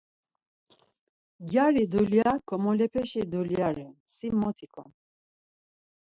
Gyari dulya komolepeşi dulya ren, si mot ikom!